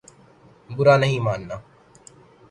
برا نہیں ماننا